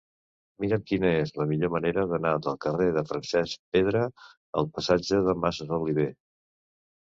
Mira'm quina és la millor manera d'anar del carrer de Francesc Pedra al passatge de Masoliver.